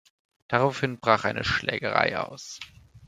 Daraufhin brach eine Schlägerei aus.